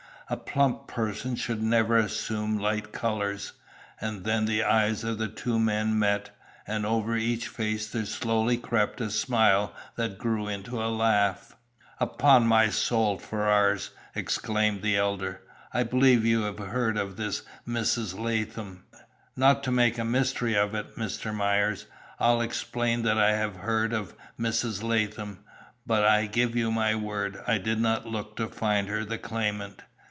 A plump person should never assume light colours." And then the eyes of the two men met, and over each face there slowly crept a smile that grew into a laugh. "Upon my soul, Ferrars," exclaimed the elder, "I believe you have heard of this Mrs. Latham!" "Not to make a mystery of it, Mr. Myers, I'll explain that I have heard of Mrs. Latham. But, I give you my word, I did not look to find her the claimant.